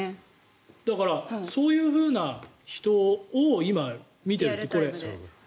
だから、そういうふうな人を今、見てるって。